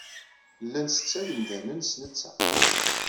Llan setta yimdanen, s netta.